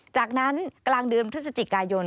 จากนั้นกลางเดือนพฤศจิกายน